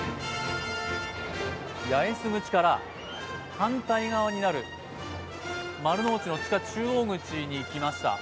八重洲口から反対側になる丸の内の地下中央口に来ました。